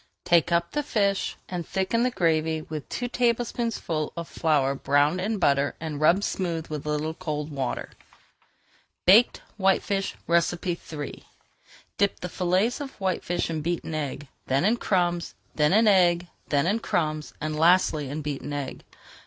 Take up the fish and thicken the gravy with two tablespoonfuls of flour browned in butter and rubbed smooth with a little cold water. BAKED WHITE FISH III Dip the fillets of whitefish in beaten egg, then in crumbs, then in egg, then in crumbs, and lastly in beaten egg.